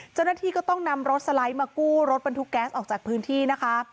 เจ้าหน้าที่ก็ต้องนำรถสไลด์มากู้รถบรรทุกแก๊สออกจากพื้นที่นะคะ